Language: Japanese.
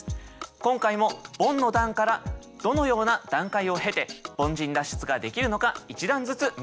今回もボンの段からどのような段階を経て凡人脱出ができるのか１段ずつ見ていきます。